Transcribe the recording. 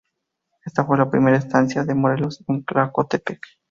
Esta fue la primera estancia de Morelos en Tlacotepec.